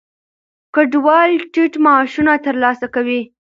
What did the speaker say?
کډوال ټیټ معاشونه ترلاسه کوي.